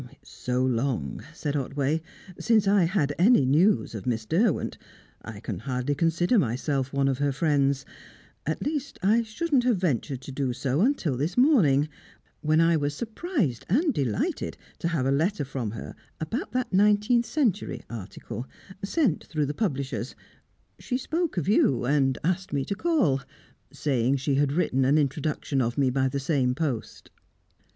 "It's so long," said Otway, "since I had any news of Miss Derwent. I can hardly consider myself one of her friends at least, I shouldn't have ventured to do so until this morning, when I was surprised and delighted to have a letter from her about that Nineteenth Century article, sent through the publishers. She spoke of you, and asked me to call saying she had written an introduction of me by the same post."